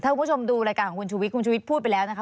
ถ้าคุณผู้ชมดูรายการของคุณชุวิตคุณชุวิตพูดไปแล้วนะคะ